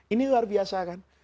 ini luar biasa kan